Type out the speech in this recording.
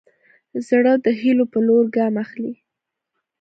زړه د هيلو په لور ګام اخلي.